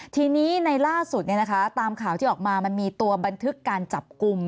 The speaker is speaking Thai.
ทีนี้ในล่าสุดตามข่าวที่ออกมามันมีตัวบันทึกการจับกลุ่ม